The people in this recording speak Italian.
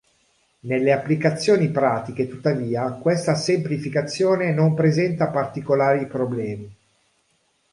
Nelle applicazioni pratiche tuttavia questa semplificazione non presenta particolari problemi.